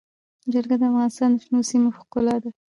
جلګه د افغانستان د شنو سیمو ښکلا ده.